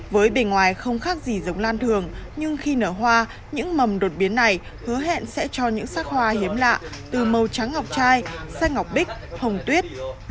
với bề ngoài không khác gì giống lan thường nhưng khi nở hoa những mầm đột biến này hứa hẹn sẽ cho những sắc hoa hiếm lạ từ màu trắng ngọc chai sen ngọc bích hồng tuyết